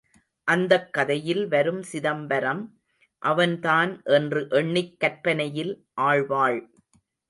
அந்தக் கதையில் வரும் சிதம்பரம் அவன் தான் என்று எண்ணிக் கற்பனையில் ஆழ்வாள்.